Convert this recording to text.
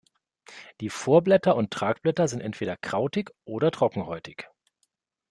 Die Vorblätter und Tragblätter sind entweder krautig oder trockenhäutig.